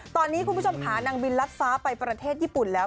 ตอนนี้คุณผู้ชมขานางบินลัดฟ้าไปประเทศญี่ปุ่นแล้ว